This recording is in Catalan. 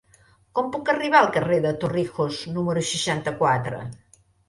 Com puc arribar al carrer de Torrijos número seixanta-quatre?